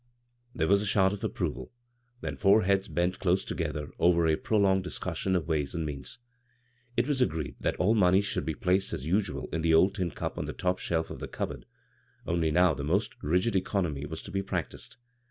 There was a shout of approval, then four heads bent close together over a prolonged discussion of ways and means. It was agreed that ail moneys should be placed as usual In the old tin cup cui the top shelf of the cupboard, only now the most rigid economy was to be practiced.